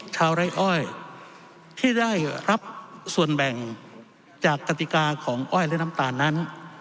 ไร้อ้อยที่ได้รับส่วนแบ่งจากกติกาของอ้อยและน้ำตาลนั้น